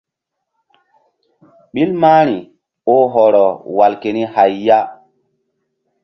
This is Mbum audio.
Ɓil mahri oh hɔrɔ wal keni hay ya.